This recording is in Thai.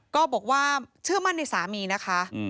ก็บอกว่าเชื่อมั่นในสามีนะคะ